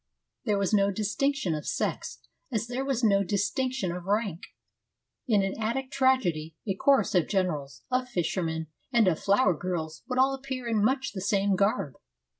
There was no distinction of sex, as there was no distinction of rank. In an Attic tragedy a chorus of generals, of fishermen, and of flower girls would all appear in much the same garb.